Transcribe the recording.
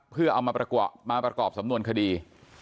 เพื่อเอามาประกอบสำนวนคดี